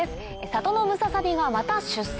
里のムササビがまた出産！